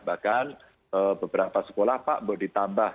bahkan beberapa sekolah pak mau ditambah